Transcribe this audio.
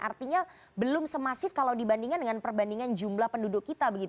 artinya belum semasif kalau dibandingkan dengan perbandingan jumlah penduduk kita